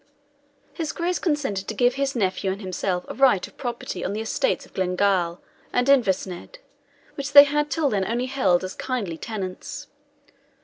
His Grace consented to give his nephew and himself a right of property on the estates of Glengyle and Inversnaid, which they had till then only held as kindly tenants.